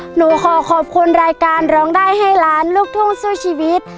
หนูขอขอบคุณรายการร้องได้ให้ล้านลูกทุ่งสู้ชีวิต